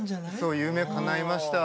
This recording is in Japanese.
夢、かないました。